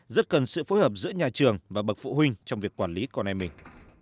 rất cần sự phối hợp giữa nhà trường và bậc phụ huynh trong việc quản lý con em mình